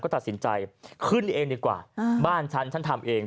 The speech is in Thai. ตัดสินใจขึ้นเองดีกว่าบ้านฉันฉันทำเอง